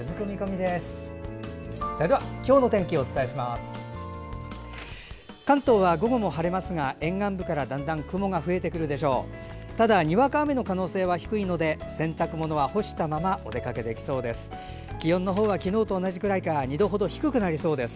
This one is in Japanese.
にわか雨の可能性は低いので洗濯物は干したままお出かけできそうです。